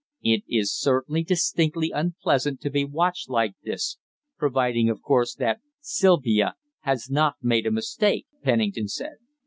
"It is certainly distinctly unpleasant to be watched like this providing, of course, that Sylvia has not made a mistake," Pennington said.